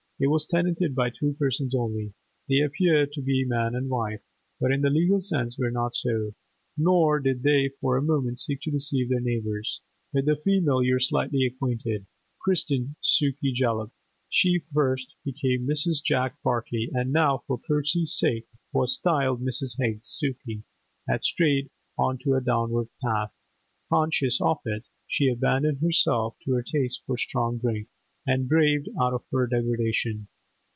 It was tenanted by two persons only; they appeared to be man and wife, but in the legal sense were not so, nor did they for a moment seek to deceive their neighbours. With the female you are slightly acquainted; christened Sukey Jollop, she first became Mrs. Jack Bartley, and now, for courtesy's sake, was styled Mrs. Higgs. Sukey had strayed on to a downward path; conscious of it, she abandoned herself to her taste for strong drink, and braved out her degradation.